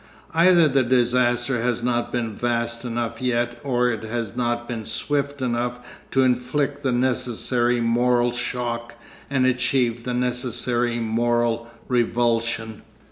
Either the disaster has not been vast enough yet or it has not been swift enough to inflict the necessary moral shock and achieve the necessary moral revulsion.